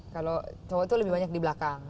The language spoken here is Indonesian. kalau cowok itu lebih banyak di belakang